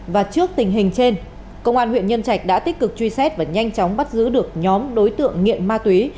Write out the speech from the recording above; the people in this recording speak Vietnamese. và trước tình hình trên công an huyện nhân trạch đã tích cực truy xét và nhanh chóng bắt giữ được nhóm đối tượng nghiện ma túy